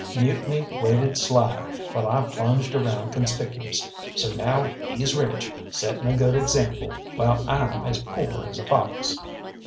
Mutiny waited sly, while I plunged around conspicuous, so now he's rich, setting a good example, while I'm as poor as a fox.